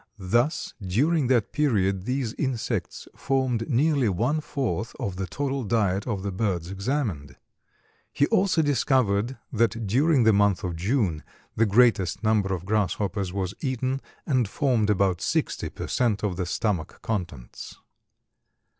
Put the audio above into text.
Thus during that period these insects formed nearly one fourth of the total diet of the birds examined. He also discovered that during the month of June, the greatest number of grasshoppers was eaten and formed about sixty per cent of the stomach contents.